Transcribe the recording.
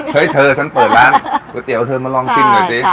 เฮ้ยเธอฉันเปิดร้านก๋วยเตี๋ยวเธอมาลองชิมหน่อยสิ